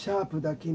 君。